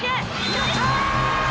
やった！